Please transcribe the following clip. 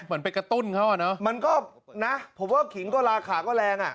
เหมือนไปกระตุ้นเขาอ่ะเนอะมันก็นะผมว่าขิงก็ราคาก็แรงอ่ะ